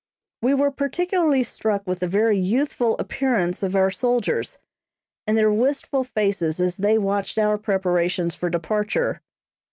We were particularly struck with the very youthful appearance of our soldiers, and their wistful faces as they watched our preparations for departure.